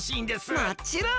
もっちろん！